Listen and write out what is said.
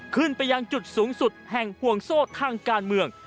ขึ้นไปยังจุดสูงสุดแห่งห่วงโซ่ทางการเมือง